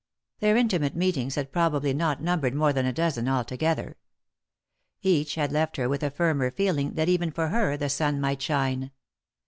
Their intimate meetings had probably not numbered more than a dozen altogether. Each had left her with a firmer feeling that even for her the sun might shine.